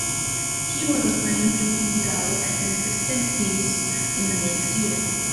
He was assigned to Qingdao as an assistant priests in the next year.